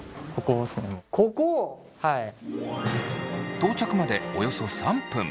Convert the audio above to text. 到着までおよそ３分。